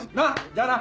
じゃあな。